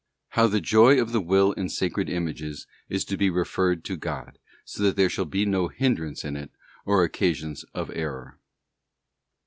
How the Joy of the Will in Sacred Images is to be referred to God, so that there shall be no hindrance in it, or occasions of error.